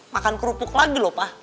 makan kerupuk lagi loh pak